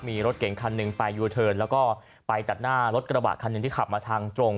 มีรถเก่งคันหนึ่งไปยูเทิร์นแล้วก็ไปตัดหน้ารถกระบะคันหนึ่งที่ขับมาทางตรง